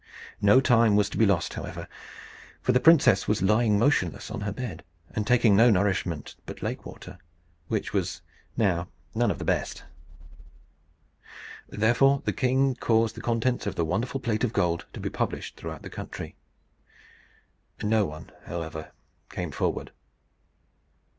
No time was to be lost, however, for the princess was lying motionless on her bed, and taking no nourishment but lake water, which was now none of the best. Therefore the king caused the contents of the wonderful plate of gold to be published throughout the country. No one, however, came forward.